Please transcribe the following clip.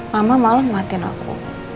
mama malah ngematin aku